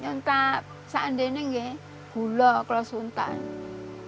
yang terbaik adalah gula kalau sudah besar